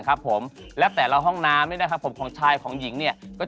ตามแอฟผู้ชมห้องน้ำด้านนอกกันเลยดีกว่าครับ